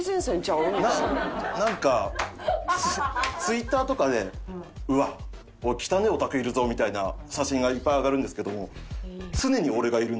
なんかＴｗｉｔｔｅｒとかで「うわっ汚えオタクいるぞ」みたいな写真がいっぱい上がるんですけども。